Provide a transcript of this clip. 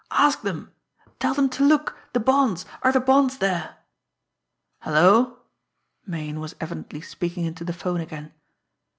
Ask them! Tell them to look! The bonds! Are the bonds there?" "Hello!" Meighan was evidently speaking into the 'phone again.